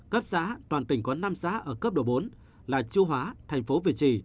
cấp xã toàn tỉnh có năm xã ở cấp độ bốn là chu hóa thành phố việt trì